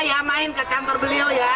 ya main ke kantor beliau ya